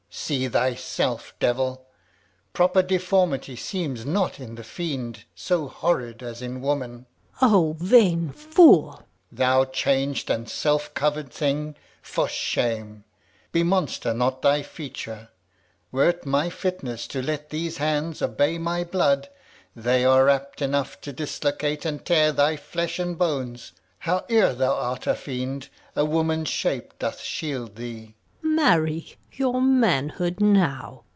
Alb. See thyself, devil! Proper deformity seems not in the fiend So horrid as in woman. Gon. O vain fool! Alb. Thou changed and self cover'd thing, for shame! Bemonster not thy feature! Were't my fitness To let these hands obey my blood, They are apt enough to dislocate and tear Thy flesh and bones. Howe'er thou art a fiend, A woman's shape doth shield thee.